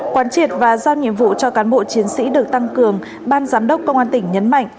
quán triệt và giao nhiệm vụ cho cán bộ chiến sĩ được tăng cường ban giám đốc công an tỉnh nhấn mạnh